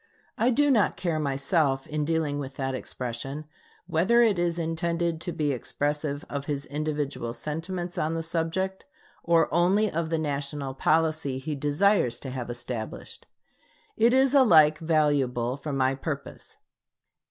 I do not care myself, in dealing with that expression, whether it is intended to be expressive of his individual sentiments on the subject, or only of the national policy he desires to have established. It is alike valuable for my purpose.